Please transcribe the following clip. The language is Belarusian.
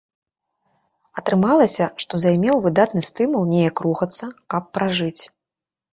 Атрымалася, што займеў выдатны стымул неяк рухацца, каб пражыць.